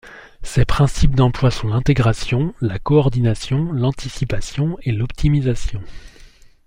Ses principes d’emploi sont l’intégration, la coordination, l’anticipation et l’optimisation.